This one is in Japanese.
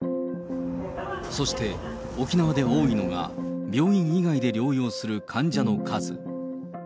そして沖縄で多いのが病院以外で療養する患者の数。